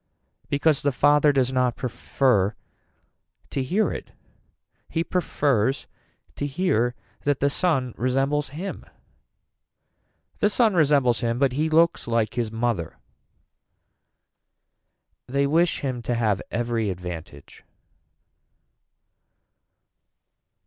Because the father does not prefer to hear it. He prefers to hear that the son resembles him. The son resembles him but he looks like his mother. They wish him to have every advantage.